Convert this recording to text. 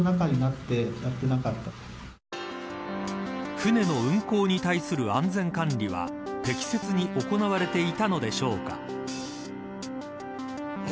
舟の運航に対する安全管理は適切に行われていたのでしょうか。